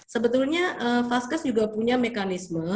sebetulnya vaskes juga punya mekanisme